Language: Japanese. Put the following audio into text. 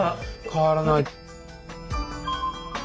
変わらない。